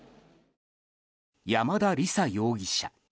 山田李沙容疑者。